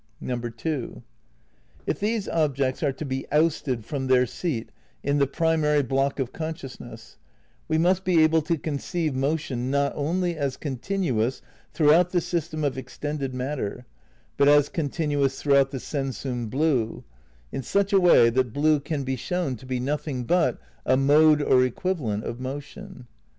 (2) If these objects are to be ousted from their seat in the primary block of consciousness, we must be able to conceive motion not only as continuous throughout the system of extended matter, but as continuous throughout the sensum blue, in such a way that blue can be shown to be nothing but a mode or equivalent of motion.